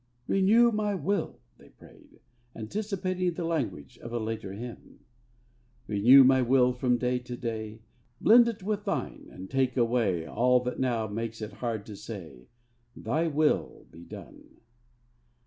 'Renew my will,' they prayed, anticipating the language of a later hymn: Renew my will from day to day; Blend it with Thine; and take away All that now makes it hard to say, 'Thy will be done!'